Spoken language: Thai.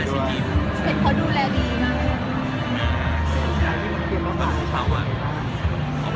ก็จะหลับไปเยี่ยมช่วงนี้บ้างไปร้านงาน